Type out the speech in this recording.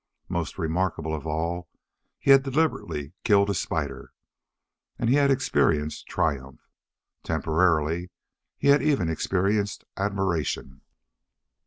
Most remarkable of all, he had deliberately killed a spider. And he had experienced triumph. Temporarily he had even experienced admiration.